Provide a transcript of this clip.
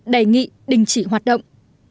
đề nghị đình chỉ hoạt động